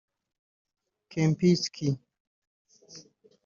Kempinski